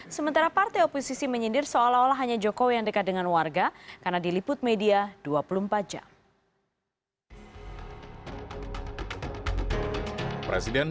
sementara partai oposisi menyindir seolah olah hanya jokowi yang dekat dengan warga karena diliput media dua puluh empat jam